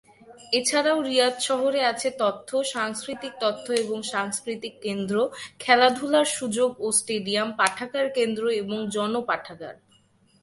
এছাড়াও রিয়াদ শহরে আছে তথ্য, সাংস্কৃতিক তথ্য এবং সাংস্কৃতিক কেন্দ্র, খেলাধুলার সুযোগ ও স্টেডিয়াম, পাঠাগার কেন্দ্র এবং জন পাঠাগার।